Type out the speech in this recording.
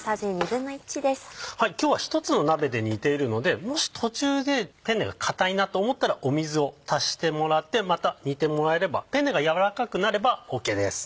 今日は１つの鍋で煮ているのでもし途中でペンネが硬いなと思ったら水を足してもらってまた煮てもらえればペンネが軟らかくなればＯＫです。